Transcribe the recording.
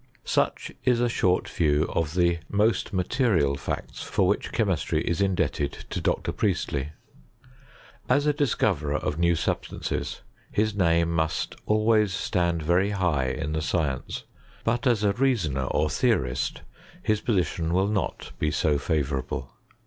Such is a short view of the most material facts for which chemistry is indebted to Dr. Priestley. As a discoverer of new Eubstances, his name must always stand very high in the science ; but as a reasoner ttt theorist his position will not be so favourable.